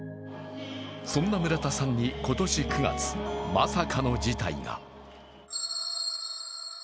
そんな村田さんに今年９月まさかの事態が。